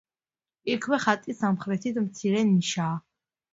იქვე ხატის სამხრეთით მცირე ნიშაა.